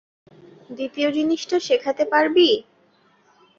দ্বিতীয় জিনিসটা শেখাতে পারবি?